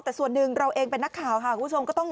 แต่ส่วนหนึ่งเราเองเป็นนักข่าวค่ะคุณผู้ชมก็ต้อง